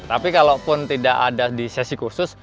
tapi kalau pun tidak ada di sesi khusus